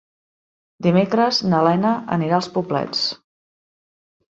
Dimecres na Lena anirà als Poblets.